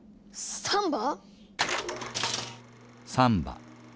サンバ？